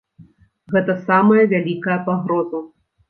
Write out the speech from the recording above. Гэта самая вялікая пагроза.